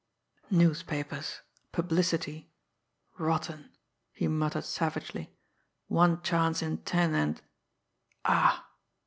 "Newspapers publicity rotten!" he muttered savagely. "One chance in ten, and ah!"